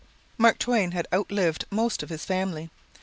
Mark Twain had outlived most of his family.